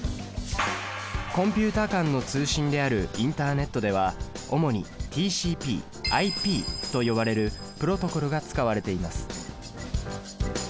コンピュータ間の通信であるインターネットでは主にＴＣＰ／ＩＰと呼ばれるプロトコルが使われています。